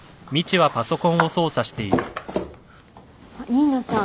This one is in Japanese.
新名さん。